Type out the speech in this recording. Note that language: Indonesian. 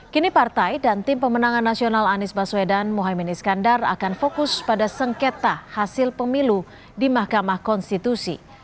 kini partai dan tim pemenangan nasional anies baswedan mohaimin iskandar akan fokus pada sengketa hasil pemilu di mahkamah konstitusi